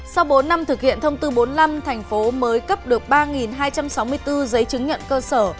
sau bốn năm thực hiện thông tư bốn mươi năm thành phố mới cấp được ba hai trăm sáu mươi bốn giấy chứng nhận cơ sở